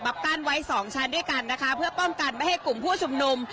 กั้นไว้สองชั้นด้วยกันนะคะเพื่อป้องกันไม่ให้กลุ่มผู้ชุมนุม